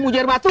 mau jahit batu